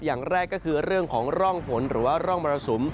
อย่างแรกก็คือเรื่องของร่องฝนหรือว่าร่องมรสุม